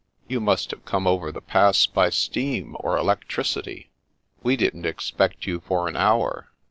" You must have come over the Pass by steam or electricity. We didn't expect you for an hour.